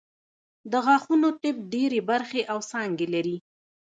د غاښونو طب ډېرې برخې او څانګې لري